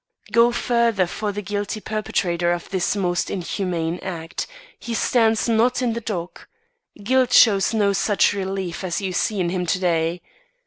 "Go further for the guilty perpetrator of this most inhuman act; he stands not in the dock. Guilt shows no such relief as you see in him to day.